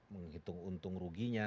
menghitung untung ruginya